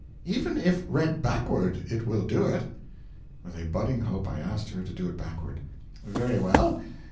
Even if read backward it will do it.' With a budding hope, I asked her to do it backward. 'Very well.